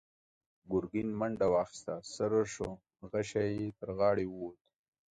ګرګين منډه واخيسته، څررر شو، غشۍ يې تر غاړې ووت.